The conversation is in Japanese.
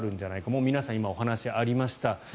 もう皆さんが今お話がありました。